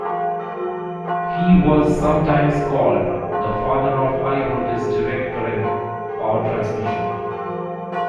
He was sometimes called "The Father of High Voltage Direct Current" power transmission.